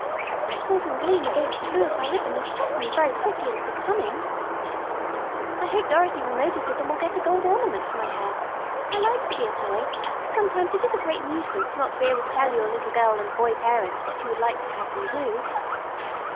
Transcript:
"That golden gleam against the blue of my ribbon is certainly very pretty and becoming," she thought. "I hope Dorothy will notice it and will get a gold ornament for my hair. I like to be a toy, but sometimes it is a great nuisance not to be able to tell your little girl and boy parents what you would like to have them do."